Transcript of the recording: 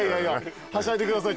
はしゃいでください。